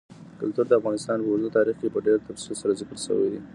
کلتور د افغانستان په اوږده تاریخ کې په ډېر تفصیل سره ذکر شوی دی.